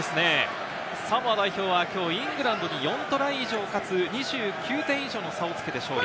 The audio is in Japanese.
サモア代表はきょうイングランドに４トライ以上、かつ２９点以上の差をつけて勝利。